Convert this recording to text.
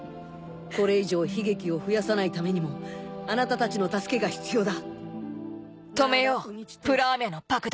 これ以上悲劇を増やさないためにもあなたたちの助けが必要だ。